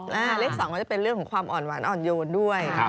เลข๒ก็จะเป็นเรื่องของความอ่อนหวานอ่อนโยนด้วย